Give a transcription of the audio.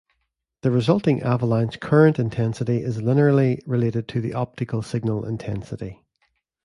The resulting avalanche current intensity is linearly related to the optical signal intensity.